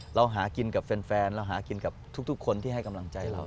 เราหากินกับแฟนเราหากินกับทุกคนที่ให้กำลังใจเรา